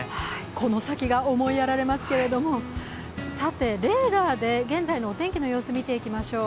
この先が思いやられますけれども、レーダーで現在のお天気の様子見ていきましょう。